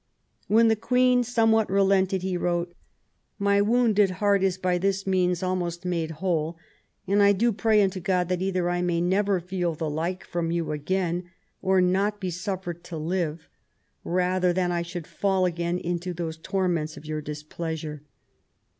When the Queen somewhat relented, he wrote :" My wounded heart is by this means almost made whole, and I do pray unto God that either I may never feel the like from you again, or not be suffered to live, rather than I should fall again into those torments of your displeasure